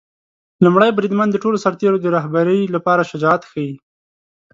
لومړی بریدمن د ټولو سرتیرو د رهبری لپاره شجاعت ښيي.